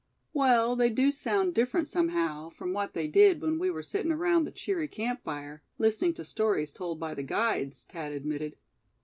"Well, they do sound different somehow, from what they did when we were sitting around the cheery camp fire, listening to stories told by the guides," Thad admitted.